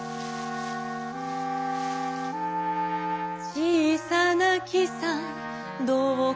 「ちいさなきさんどうかおねがい」